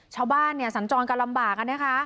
ชาวบ้านสัญจรกระลำบาก